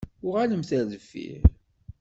Uɣalemt ar deffir.